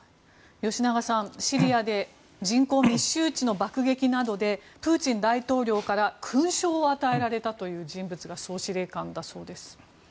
吉永さん、シリアで人口密集地の爆撃などでプーチン大統領から勲章を与えられたという人物が総司令官だそうです。